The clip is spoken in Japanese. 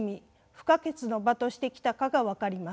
不可欠な場としてきたかが分かります。